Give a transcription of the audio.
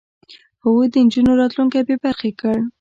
هغوی د نجونو راتلونکی بې برخې کړ.